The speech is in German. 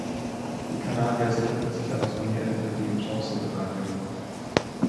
Die Kanadier sicherten sich am Turnierende die Bronzemedaille.